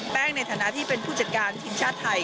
ในฐานะที่เป็นผู้จัดการทีมชาติไทย